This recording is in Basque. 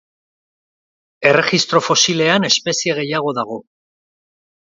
Erregistro fosilean espezie gehiago dago.